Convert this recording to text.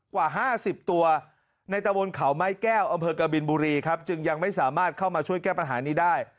กว่า๕๐ตัวในตะวนเขาไม้แก้วอำเภอกบินบุรีครับจึงยังไม่สามารถเข้ามาช่วยแก้ปัญหานี้ได้